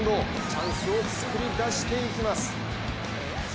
チャンスを作り出していきます。